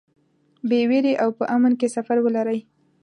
بې وېرې او په امن کې سفر ولرئ.